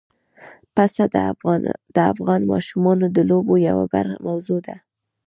پسه د افغان ماشومانو د لوبو یوه موضوع ده.